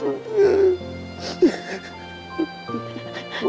ผมคิดว่าสงสารแกครับ